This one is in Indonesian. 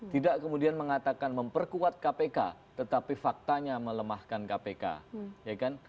tidak kemudian mengatakan memperkuat kpk tetapi faktanya melemahkan kpk ya kan